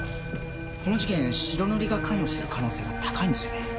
この事件白塗りが関与してる可能性が高いんですよね？